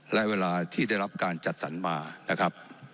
และเวลาที่ได้รับการจัดสรรมานะครับ